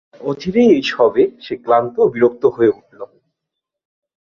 অচিরেই এই সবে সে ক্লান্ত ও বিরক্ত হয়ে উঠল।